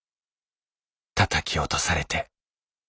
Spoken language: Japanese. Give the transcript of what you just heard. たたき落とされて。